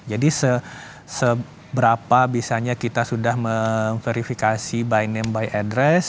seberapa bisanya kita sudah memverifikasi by name by address